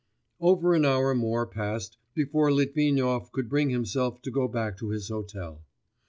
Over an hour more passed before Litvinov could bring himself to go back to his hotel.